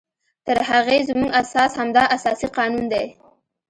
تر هغې زمونږ اساس همدا اساسي قانون دی